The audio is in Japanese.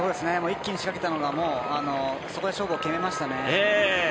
一気に仕掛けたのがそこで勝負を決めましたね。